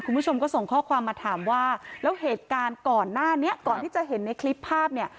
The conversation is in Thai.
คุณผู้ชมก็ส่งข้อความมาถามว่าแล้วเหตุการณ์ก่อนหน้านี้ก่อนที่จะเห็นในคลิปภาพเนี่ย